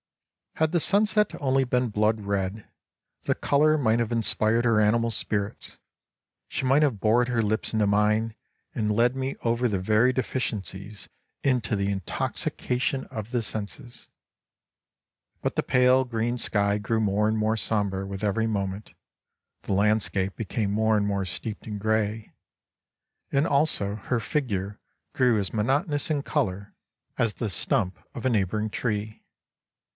Had the sunset only been blood red, the color might have inspired her animal spirits, she might have bored her lips into mine, and led me over the very deficiencies into the in toxication of the senses ! But the pale green sky grew more and more sombre with every moment, the landscape became more and more steeped in gray, and also her figure grew as monotonous in color 22 as the stump of a neighboring tree.